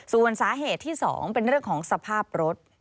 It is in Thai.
ส่วนสาเหตุที่๒เป็นเรื่องของสภาพรถ